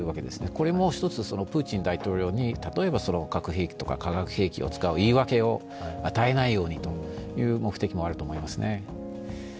これも１つ、プーチン大統領に例えば核兵器とか化学兵器を使う言い訳を与えないようにという目的もあると思いますね。